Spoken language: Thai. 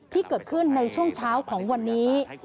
ที่เกิดขึ้นในช่วงเช้าของวันนี้